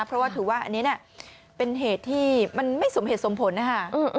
เพราะว่าถือว่าอันนี้เป็นเหตุที่มันไม่สมเหตุสมผลนะคะ